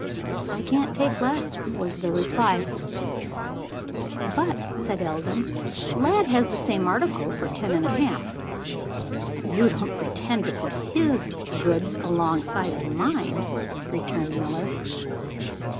"I can't take less," was replied. "But," said Eldon, "Lladd has the same article for ten and a half." "You don't pretend to put his goods alongside of mine?" returned Miller.